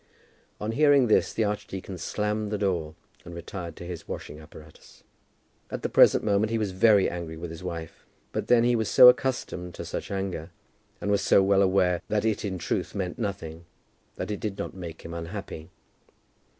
On hearing this the archdeacon slammed the door, and retired to his washing apparatus. At the present moment he was very angry with his wife, but then he was so accustomed to such anger, and was so well aware that it in truth meant nothing, that it did not make him unhappy.